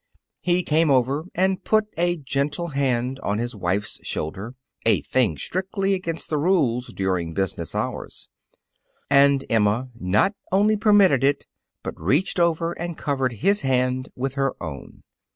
He came over and put a gentle hand on his wife's shoulder, a thing strictly against the rules during business hours. And Emma not only permitted it but reached over and covered his hand with her own.